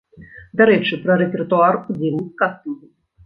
Дарэчы, пра рэпертуар удзельніц кастынгу.